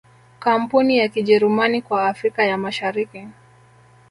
Kampuni ya Kijerumani kwa Afrika ya Mashariki